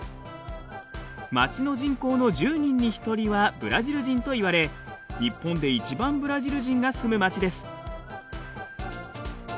町の人口の１０人に１人はブラジル人といわれ日本で一番ブラジル人が住む町です。